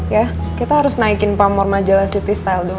ya kita harus naikin pamor majalah city style dulu